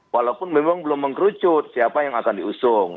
walaupun memang belum mengkerucut siapa yang akan diusung